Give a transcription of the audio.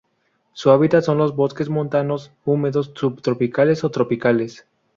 Su hábitat son los bosques montanos húmedos subtropicales o tropicales.